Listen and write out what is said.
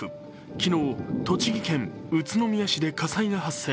昨日、栃木県宇都宮市で火災が発生。